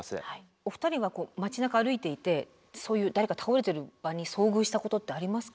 お二人は街なか歩いていてそういう誰か倒れてる場に遭遇したことってありますか？